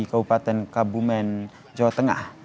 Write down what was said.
keupatan kabumen jawa tengah